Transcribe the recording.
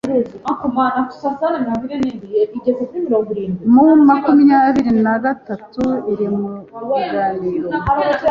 M makumyabiri nagatatu iri mu biganiro